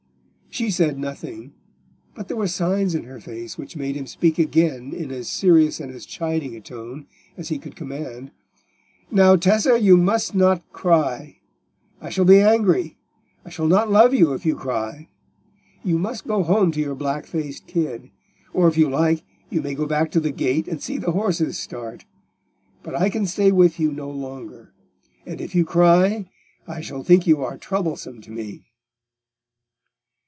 She said nothing, but there were signs in her face which made him speak again in as serious and as chiding a tone as he could command— "Now, Tessa, you must not cry. I shall be angry; I shall not love you if you cry. You must go home to your black faced kid, or if you like you may go back to the gate and see the horses start. But I can stay with you no longer, and if you cry, I shall think you are troublesome to me."